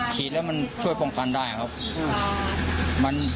ฉีดแล้วมันช่วยป้องกันได้ครับ